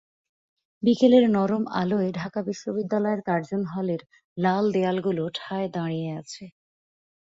বিকেলের নরম আলোয় ঢাকা বিশ্ববিদ্যালয়ের কার্জন হলের লাল দেয়ালগুলো ঠায় দাঁড়িয়ে আছে।